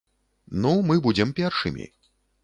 Ну, мы будзем першымі.